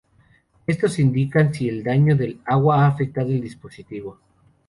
Estos indican si el daño del agua ha afectado al dispositivo.